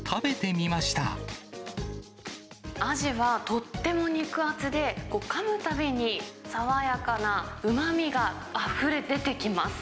あじはとっても肉厚で、かむたびに、爽やかなうまみがあふれ出てきます。